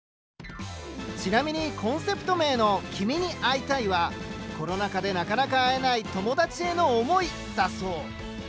ちなみにコンセプト名の「君に合体」はコロナ禍でなかなか会えない友達への思いだそう。